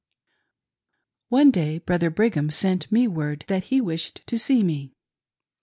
One day Brother Brigham sent me word that he wished to see me.